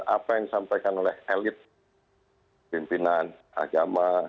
apa yang disampaikan oleh elit pimpinan agama